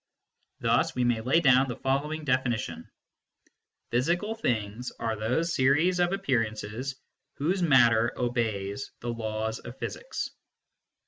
Thus we may lay down the following definition : Physical things are those series of appearances whose matter obeys the laws of physics.